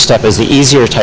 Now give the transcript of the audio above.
dan kemudian dalam masa depan